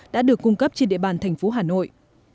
đã được cung cấp trên địa bàn thành phố hà nội